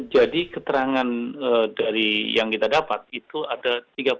jadi keterangan dari yang kita dapat itu ada tiga puluh satu